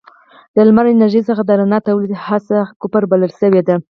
له لمر انرژۍ څخه د رڼا تولید هڅه کفر بلل شوې ده.